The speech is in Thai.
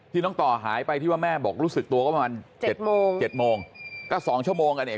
น้องต่อหายไปที่ว่าแม่บอกรู้สึกตัวก็ประมาณเจ็ดโมงเจ็ดโมงก็สองชั่วโมงอ่ะเนี่ย